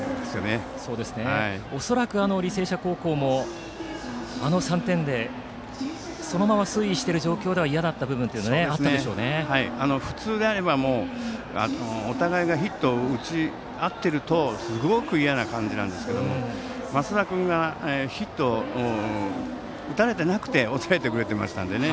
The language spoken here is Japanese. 恐らく、履正社高校もあの３点でそのまま推移している状況だと普通であればお互いがヒットを打ち合っているとすごく嫌な感じなんですが増田君がヒットを打たれてなくて抑えてくれていましたので。